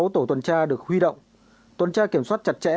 chín mươi sáu tổ tuần tra được huy động tuần tra kiểm soát chặt chẽ